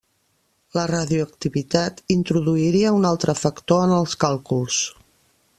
La radioactivitat introduiria un altre factor en els càlculs.